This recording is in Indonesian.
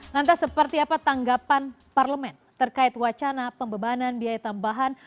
lantas seperti apa tanggapan parlemen terkait wacana pembebanan biaya tambahan